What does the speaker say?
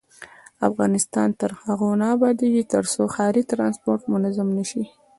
افغانستان تر هغو نه ابادیږي، ترڅو ښاري ترانسپورت منظم نشي.